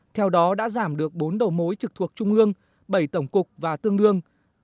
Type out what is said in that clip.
theo đó đã giảm được bốn đầu mối trực thuộc trung ương bảy tổng cục và tương đương